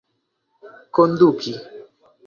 konduki